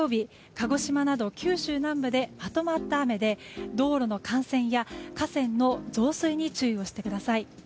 鹿児島など九州南部でまとまった雨で道路の冠水や河川の増水に注意をしてください。